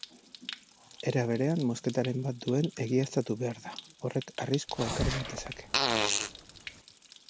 Era berean mozketaren bat duen egiaztatu behar da, horrek arriskua ekar baitezake.